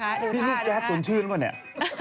ดูท่านะคะพี่ลูกแจ๊บสุนชื่นก่อนเนี่ย